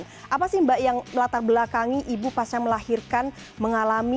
jadi bagaimana ibu pasca yang latar belakangi ibu pasca melahirkan mengalami depresi